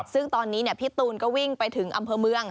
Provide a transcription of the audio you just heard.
ซึ่งตอนนี้พี่ตูนก็วิ่งไปถึงอำเภอเมือง